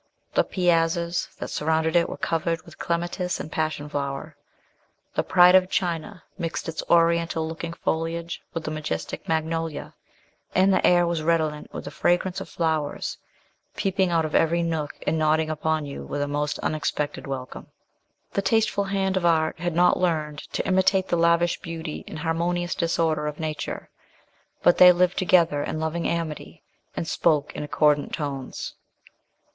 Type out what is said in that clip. The piazzas that surrounded it were covered with clematis and passion flower. The pride of China mixed its oriental looking foliage with the majestic magnolia, and the air was redolent with the fragrance of flowers, peeping out of every nook and nodding upon you with a most unexpected welcome. The tasteful hand of art had not learned to imitate the lavish beauty and harmonious disorder of nature, but they lived together in loving amity, and spoke in accordant tones.